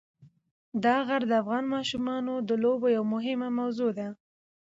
دا غر د افغان ماشومانو د لوبو یوه مهمه موضوع ده.